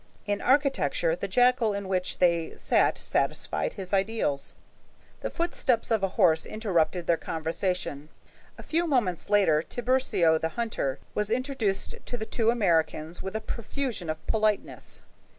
In architecture, the jacal in which they sat satisfied his ideals. The footsteps of a horse interrupted their conversation. A few moments later, Tiburcio, the hunter, was introduced to the two Americans with a profusion of politeness.